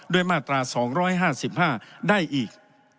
มาตรา๒๕๕ได้อีก